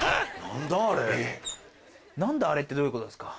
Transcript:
「何だあれ？」ってどういうことですか。